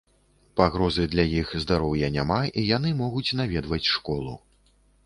Пагрозы для іх здароўя няма і яны могуць наведваць школу.